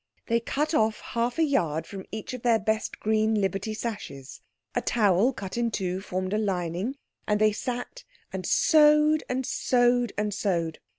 They cut off half a yard from each of their best green Liberty sashes. A towel cut in two formed a lining; and they sat and sewed and sewed and sewed.